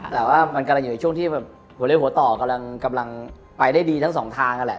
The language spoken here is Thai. แต่ว่ามันกำลังอยู่ในช่วงที่แบบหัวเลี้ยหัวต่อกำลังไปได้ดีทั้งสองทางนั่นแหละ